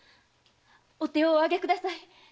お手をお挙げください。